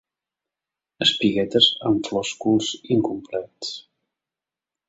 Espiguetes amb flòsculs incomplets.